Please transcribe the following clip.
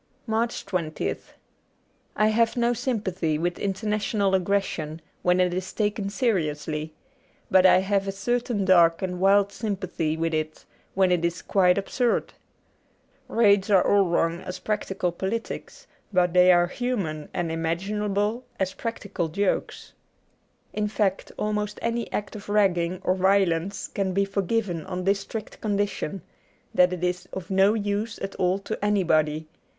85 MARCH 20th I HAVE no sympathy with international aggres sion when it is taken seriously, but I have a certain dark and wild sympathy with it when it is quite absurd. Raids are all wrong as practical politics, but they are human and imaginable as practical jokes. In fact, almost any act of ragging or violence can be forgiven on this strict condition — that it is of no use at all to anybody.